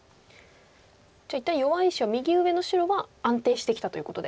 じゃあ一旦弱い石は右上の白は安定してきたということで。